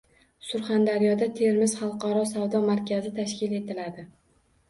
Surxondaryoda Termiz xalqaro savdo markazi tashkil etiladi